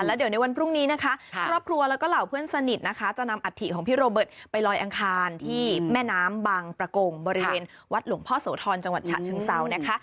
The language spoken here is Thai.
แล้วเดี๋ยวในวันพรุ่งนี้นะคะครอบครัวแล้วก็เหล่าเพื่อนสนิทนะคะจะนำอัฐิของพี่โรเบิร์ตไปลอยอังคารที่แม่น้ำบางประกงบริเวณวัดหลวงพ่อโสธรจังหวัดฉะเชิงเซานะคะ